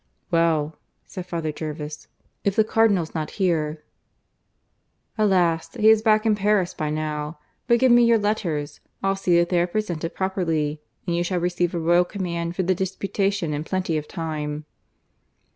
"Well," said Father Jervis, "if the Cardinal's not here " "Alas! He is back in Paris by now. But give me your letters! I'll see that they are presented properly; and you shall receive a royal command for the disputation in plenty of time."